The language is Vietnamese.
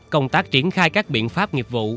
công tác triển khai các biện pháp nghiệp vụ